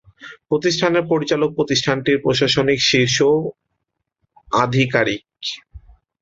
প্রতিষ্ঠানের পরিচালক প্রতিষ্ঠানটির প্রশাসনিক শীর্ষ আধিকারিক।